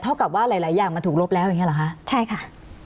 กับว่าหลายหลายอย่างมันถูกลบแล้วอย่างเงี้เหรอคะใช่ค่ะ